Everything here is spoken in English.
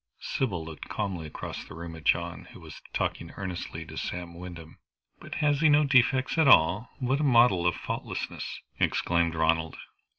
Sybil looked calmly across the room at John, who was talking earnestly to Sam Wyndham. "But has he no defects at all? What a model of faultlessness!" exclaimed Ronald.